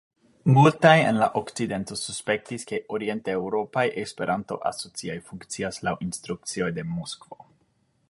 Multaj en la okcidento suspektis, ke orienteŭropaj Esperanto-asocioj funkcias laŭ instrukcioj de Moskvo.